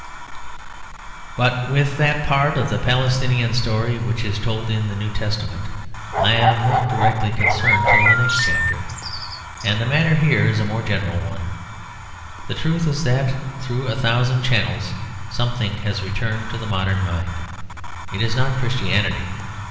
But with that part of the Palestinian story which is told in the New Testament I am not directly concerned till the next chapter; and the matter here is a more general one. The truth is that through a thousand channels something has returned to the modern mind. It is not Christianity.